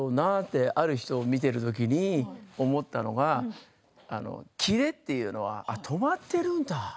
とある人を見ているときに思ったのが、キレというのは止まっているんだと。